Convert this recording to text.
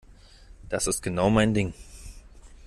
Das ist genau mein Ding.